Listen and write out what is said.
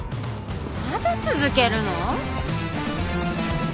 まだ続けるの？